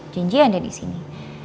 janjian ada disini